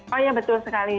oh ya betul sekali